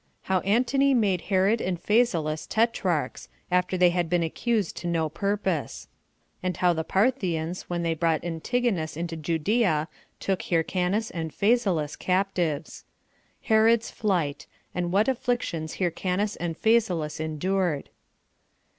How Antony Made Herod And Phasaelus Tetrarchs, After They Had Been Accused To No Purpose; And How The Parthians When They Brought Antigonus Into Judea Took Hyrcanus And Phasaelus Captives. Herod's Flight; And What Afflictions Hyrcanus And Phasaelus Endured.